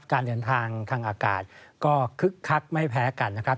การเดินทางทางอากาศก็คึกคักไม่แพ้กันนะครับ